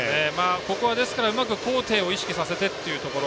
ここは、うまく高低を意識させてというところ。